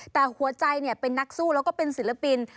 แต่หัวใจเป็นนักสู้แล้วก็เป็นศิลปิน